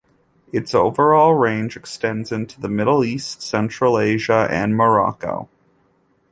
Its overall range extends into the Middle East, Central Asia and Morocco.